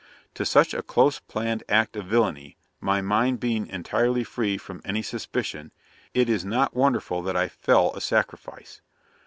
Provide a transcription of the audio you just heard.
To such a close planned act of villainy, my mind being entirely free from any suspicion, it is not wonderful that I fell a sacrifice.